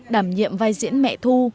đảm nhiệm vai diễn mẹ thu